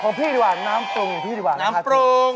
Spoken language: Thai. ของพี่ดีกว่าน้ำปรุงพี่ดีกว่านะครับพี่น้ำปรุง